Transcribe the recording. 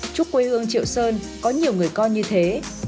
chúc quê hương triệu sơn có nhiều người con như thế